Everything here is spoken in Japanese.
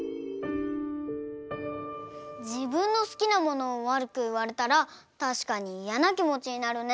じぶんのすきなものをわるくいわれたらたしかにイヤなきもちになるね。